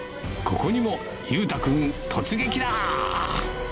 ここにも裕太君突撃だ！